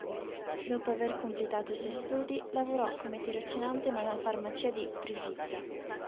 Dopo aver completato i suoi studi, lavorò come tirocinante in una farmacia di Prievidza.